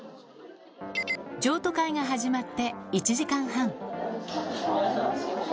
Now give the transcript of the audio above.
譲渡会が始まって１時間半。